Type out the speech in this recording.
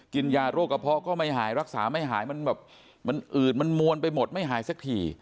กินยาโรคกระเพาะก็ไม่หายรักษาไม่หายมันแบบมันอืดมันมวลไปหมดไม่หายสักที